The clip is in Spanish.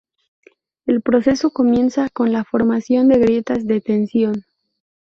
El proceso comienza con la formación de grietas de tensión.